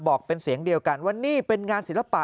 บอกเป็นเสียงเดียวกันว่านี่เป็นงานศิลปะ